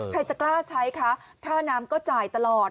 ใครจะกล้าใช้คะค่าน้ำก็จ่ายตลอด